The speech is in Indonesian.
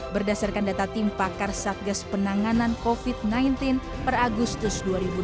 berdasarkan data tim pakar satgas penanganan covid sembilan belas per agustus dua ribu dua puluh